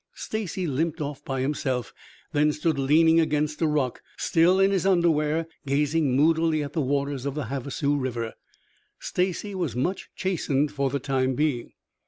Stacy limped off by himself, then stood leaning against a rock, still in his underwear, gazing moodily at the waters of Havasu River. Stacy was much chastened for the time being.